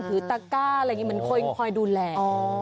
ถือตะกะคอยดูแล